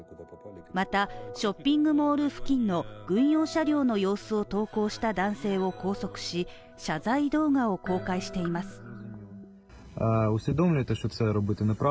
また、ショッピングモール付近の軍用車両の様子を投稿した男性を拘束し謝罪動画を公開しています。